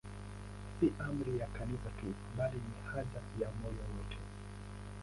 Si amri ya Kanisa tu, bali ni haja ya moyo wetu.